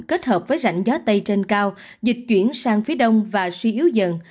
kết hợp với rãnh gió tây trên cao dịch chuyển sang phía đông và suy yếu dần